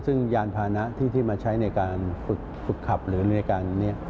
ซึ่งยานพานะที่มาใช้ในการฝึกขับหรือในการ